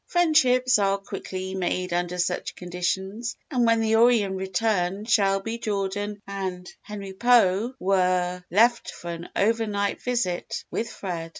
Friendships are quickly made under such conditions and when the Orion returned Shelby Jordan and Henry Pou were left for an over night visit with Fred.